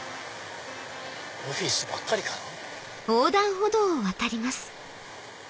オフィスばっかりかな。